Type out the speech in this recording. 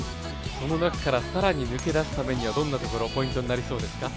その中から更に抜け出すためにはどんなところがポイントになりそうですか。